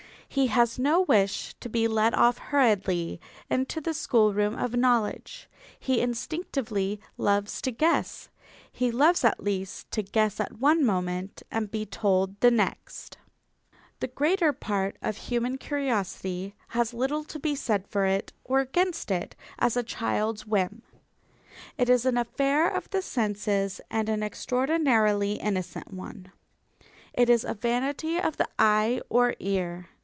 He has no wish to be led off hurriedly into the schoolroom of knowledge. He instinctively loves to guess. He loves at least to guess at one moment and to be told the next. The greater part of human curiosity has as little to be said for it or against it as a child's whim. It is an affair of the senses, and an extraordinarily innocent one. It is a vanity of the eye or ear.